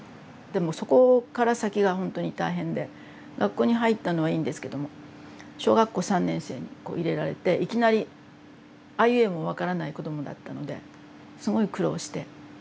でもそこから先がほんとに大変で学校に入ったのはいいんですけども小学校３年生に入れられていきなり「あいうえお」も分からない子どもだったのですごい苦労して。